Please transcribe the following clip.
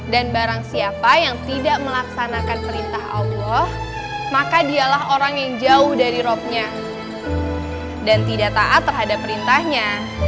dan barang siapa yang tidak melaksanakan perintah allah maka dialah orang yang jauh dari robnya dan tidak taat terhadap perintahnya